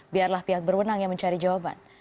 biarlah pihak berwenang yang mencari jawaban